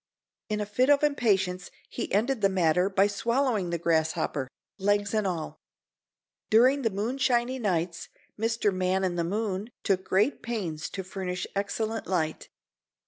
In a fit of impatience he ended the matter by swallowing the grasshopper—legs and all. During the moonshiny nights Mr. Man in the Moon took great pains to furnish excellent light.